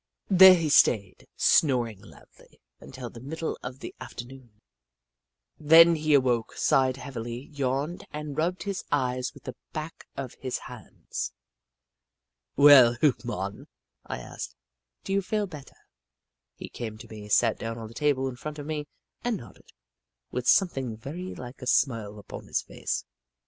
There he stayed, snoring loudly, until the middle of the after noon. Then he awoke, sighed heavily, yawned, and rubbed his eyes with the backs of his hands. "Well, Hoot Mon," I asked, "do you feel better?" He came to me, sat down on the table in front of me, and nodded, with something very like a smile upon his face.